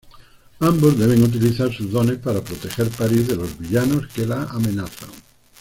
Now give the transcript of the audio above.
Ambos deben utilizar sus dones para proteger París de los villanos que la amenazan.